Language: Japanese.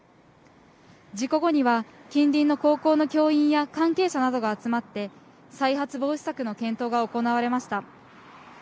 事故後には、近隣の高校の教員や、関係者などが集まって、再発防止策の検討が行われました。